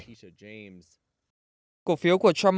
cổ phiếu của trump media technology group